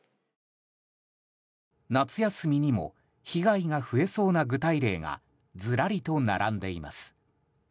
夏休みにも被害が増えそうな具体例がずらりと並んでいます。